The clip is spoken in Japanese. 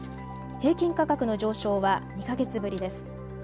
平均価格の上昇は２か月ぶりです。